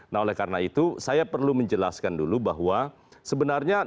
nah oleh karena itu saya perlu menjelaskan dulu bahwa sebenarnya